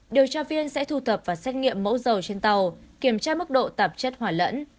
điều tra viên sẽ thu thập và xét nghiệm mẫu dầu trên tàu kiểm tra mức độ tạp chất hỏa lẫn